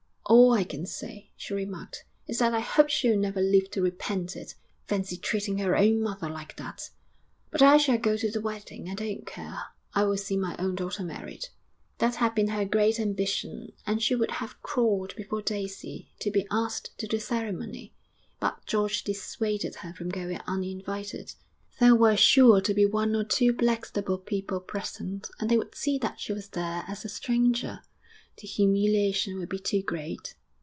'All I can say,' she remarked, 'is that I hope she'll never live to repent it. Fancy treating her own mother like that! 'But I shall go to the wedding; I don't care. I will see my own daughter married.' That had been her great ambition, and she would have crawled before Daisy to be asked to the ceremony.... But George dissuaded her from going uninvited. There were sure to be one or two Blackstable people present, and they would see that she was there as a stranger; the humiliation would be too great.